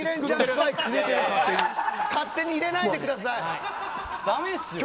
勝手に入れないでください。